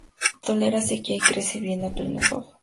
Tolera sequía y crece bien a pleno sol.